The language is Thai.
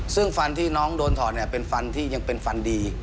ซึ่งฟันที่น้องโดนถอดเนี่ยเป็นฟันที่ยังเป็นฟันดี